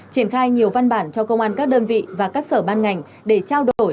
triển khai nhiều văn bản cho công an các đơn vị và các sở ban ngành để trao đổi